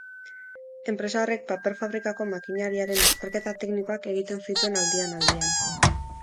Enpresa horrek paper-fabrikako makineriaren azterketa teknikoak egiten zituen aldian-aldian.